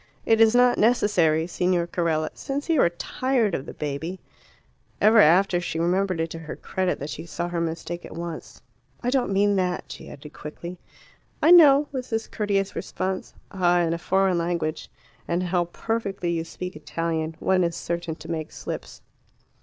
"It is not necessary, Signor Carella. Since you are tired of the baby " Ever after she remembered it to her credit that she saw her mistake at once. "I don't mean that," she added quickly. "I know," was his courteous response. "Ah, in a foreign language (and how perfectly you speak Italian) one is certain to make slips."